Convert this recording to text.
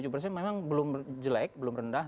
enam puluh tujuh persen memang belum jelek belum rendah